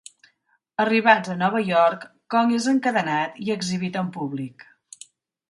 Arribats a Nova York, Kong és encadenat i exhibit en públic.